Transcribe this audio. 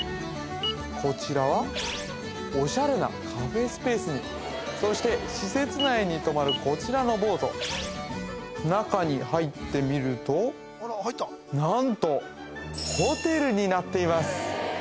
こちらはおしゃれなカフェスペースにそして施設内にとまるこちらのボート中に入ってみるとなんとホテルになっています